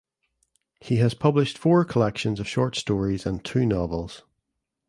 He has published four collections of short stories and two novels.